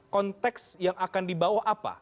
konteks yang akan dibawa apa